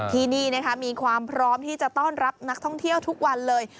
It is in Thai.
ที่นี่มีความพร้อมที่จะต้อนรับนักท่องเที่ยวทุกวันเลย